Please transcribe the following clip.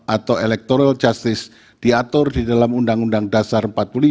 atau electoral justice diatur di dalam undang undang dasar empat puluh lima